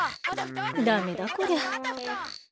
ダメだこりゃ。